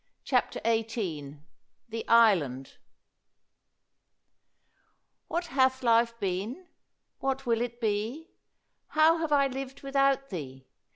CHAPTER XVIII THE ISLAND "What hath life been? What will it be? How have I lived without thee?